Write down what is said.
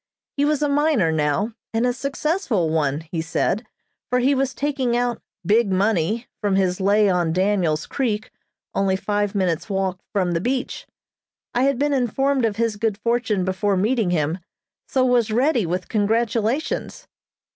He was a miner now, and a successful one, he said, for he was taking out "big money" from his lay on Daniels Creek, only five minutes' walk from the beach. I had been informed of his good fortune before meeting him, so was ready with congratulations.